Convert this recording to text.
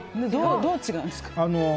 どう違うんですか？